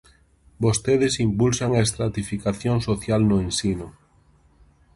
Vostedes impulsan a estratificación social no ensino.